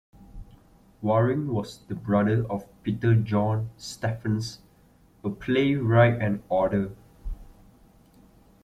Waring was the brother of Peter John Stephens, a playwright and author.